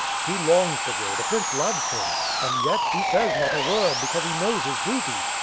He longs to go, the Prince loves him; and yet, he says not a word, because he knows his duty.